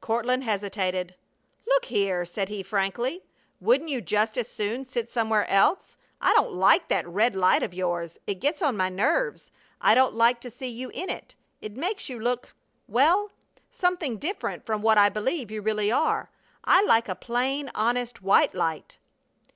Courtland hesitated. "Look here," said he, frankly, "Wouldn't you just as soon sit somewhere else? I don't like that red light of yours. It gets on my nerves. I don't like to see you in it. It makes you look well something different from what I believe you really are. I like a plain, honest white light."